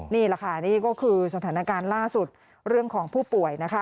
นี่แหละค่ะนี่ก็คือสถานการณ์ล่าสุดเรื่องของผู้ป่วยนะคะ